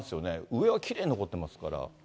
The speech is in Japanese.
上はきれいに残ってますから。